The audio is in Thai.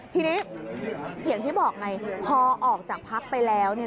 ทีนี้อย่างที่บอกไงพอออกจากพักไปแล้ว